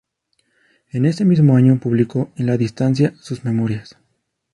En ese mismo año publicó "En la distancia", sus memorias.